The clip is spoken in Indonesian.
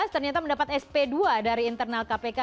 ternyata mendapat sp dua dari internal kpk